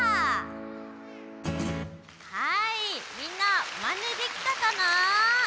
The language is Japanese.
はいみんなマネできたかな？